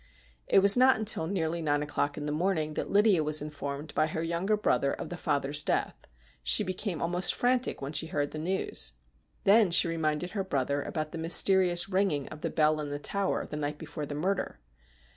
It was not until nearly nine o'clock in the morning thai Lydia was informed by her younger brother of the father'.' death. She almost became frantic when she heard the news Then she reminded her brother about the mysterious ringing of the bell in the tower the night before the murder.